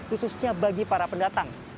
khususnya bagi para pendatang